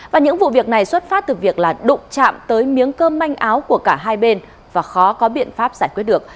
và những vụ việc này xuất phát từ việc là đụng chạm tới miếng cơm manh áo của cả hai bên và khó có biện pháp giải quyết được